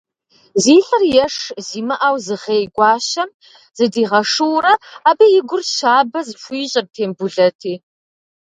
Зи лӏыр еш зимыӏэу зыгъей Гуащэм зыдигъэшурэ, абы и гур щабэ зыхуищӏырт Тембулэти.